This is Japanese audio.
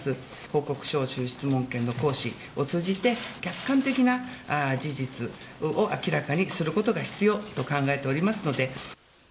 報告聴取・質問権の行使を通じて、客観的な事実を明らかにすることが必要と考えておりますので。